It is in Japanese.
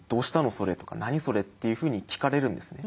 それ」とか「何？それ」っていうふうに聞かれるんですね。